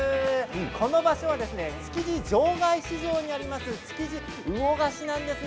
この場所は築地場外市場にあります、築地魚河岸なんです。